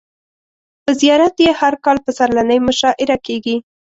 په زیارت یې هر کال پسرلنۍ مشاعر کیږي.